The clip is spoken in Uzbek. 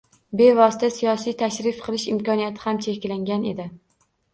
Bevosita siyosiy tashrif qilish imkoniyati ham cheklangan edi.